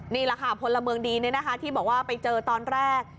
นี่แหละค่ะพลเมืองดีที่บอกว่าไปเจอตอนแรก